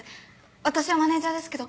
私はマネージャーですけど。